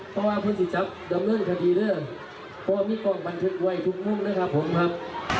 เพราะว่าพฤติทรัพย์ดำเนินคดีเรื่องเพราะว่ามีกล้องบันทึกไว้ทุกมุมนะครับผมครับ